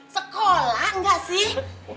sekolah gak sih